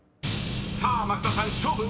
［さあ増田さん勝負！］